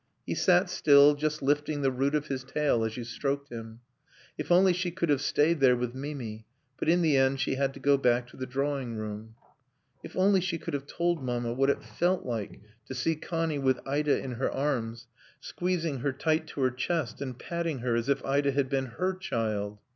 He sat still, just lifting the root of his tail as you stroked him. If only she could have stayed there with Mimi; but in the end she had to go back to the drawing room. If only she could have told Mamma what it felt like to see Connie with Ida in her arms, squeezing her tight to her chest and patting her as if Ida had been her child.